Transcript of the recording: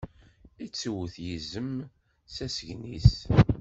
Ittuwwet yizem s asgen-is.